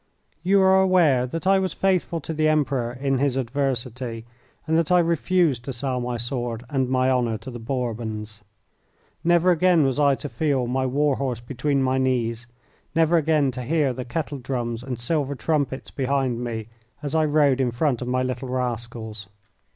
You are aware that I was faithful to the Emperor in his adversity, and that I refused to sell my sword and my honour to the Bourbons. Never again was I to feel my war horse between my knees, never again to hear the kettledrums and silver trumpets behind me as I rode in front of my little rascals.